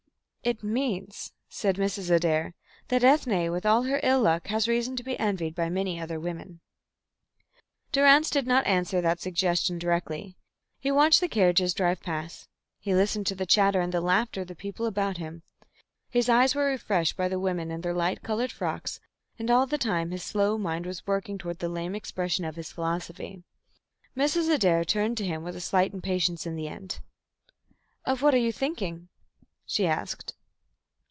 "It means," said Mrs. Adair, "that Ethne with all her ill luck has reason to be envied by many other women." Durrance did not answer that suggestion directly. He watched the carriages drive past, he listened to the chatter and the laughter of the people about him, his eyes were refreshed by the women in their light coloured frocks; and all the time his slow mind was working toward the lame expression of his philosophy. Mrs. Adair turned to him with a slight impatience in the end. "Of what are you thinking?" she asked.